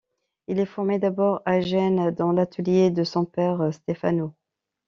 Il est formé d’abord à Gênes dans l’atelier de son père Stefano.